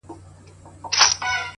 ډېوې پوري،